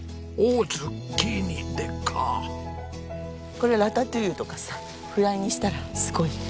これラタトゥイユとかさフライにしたらすごい。